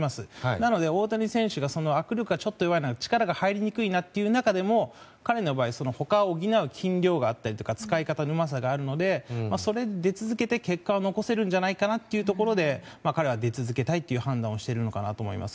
なので、大谷選手が握力がちょっと弱いのは力が入りにくいなという中でも彼の場合は、他を補う筋肉量があったり使い方のうまさがあるのでそれで出続けて結果を残せるんじゃないかなと彼は出続けたいという判断をしてるんじゃないかと思います。